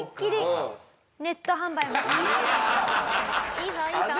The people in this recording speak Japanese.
いいぞいいぞ！